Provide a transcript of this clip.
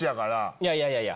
いやいやいやいや。